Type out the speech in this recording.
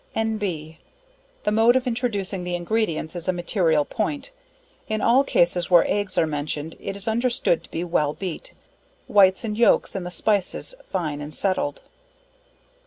N.B. The mode of introducing the ingredients, is a material point; in all cases where eggs are mentioned it is understood to be well beat; whites and yolks and the spices, fine and settled.